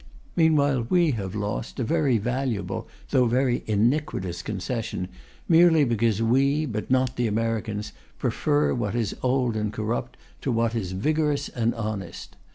Meanwhile we have lost a very valuable though very iniquitous concession, merely because we, but not the Americans, prefer what is old and corrupt to what is vigorous and honest.